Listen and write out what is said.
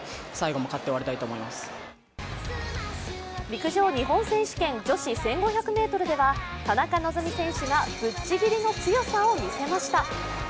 陸上日本選手権女子１５００ｍでは田中希実選手がぶっちぎりの強さを見せました。